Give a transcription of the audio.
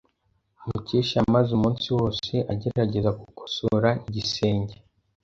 Mukesha yamaze umunsi wose agerageza gukosora igisenge.